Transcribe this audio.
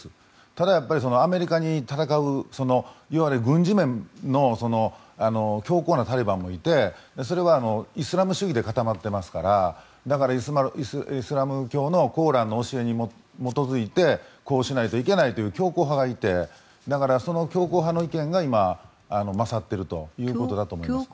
ただ、アメリカと戦ういわゆる軍事面の強硬なタリバンもいてそれはイスラム主義で固まってますからだから、イスラム教のコーランの教えに基づいてこうしないといけないという強硬派がいてその強硬派の意見が今、勝っているということだと思います。